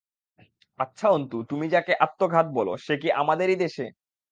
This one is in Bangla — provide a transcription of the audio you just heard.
আচ্ছা অন্তু, তুমি যাকে আত্মঘাত বল সে কি আমাদেরই দেশে?